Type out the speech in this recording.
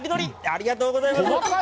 ありがとうございます。